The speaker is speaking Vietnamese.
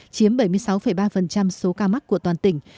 chiếm bảy mươi sáu ba số ca mắc của toàn tỉnh